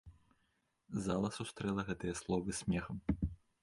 Зала сустрэла гэтыя словы смехам.